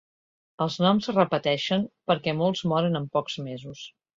Els noms es repeteixen perquè molts moren amb pocs mesos.